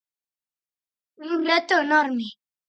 Un reto enorme.